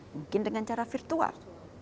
mungkin dengan cara virtual